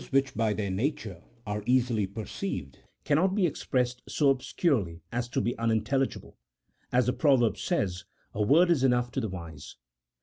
113 which by their nature are easily perceived cannot be ex pressed so obscurely as to be unintelligible ; as the proverb says, " a word is enough to the wise."